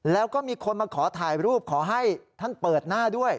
แล้วก็มีคนมาขอถ่ายรูปขอให้ท่านเปิดหน้าด้วย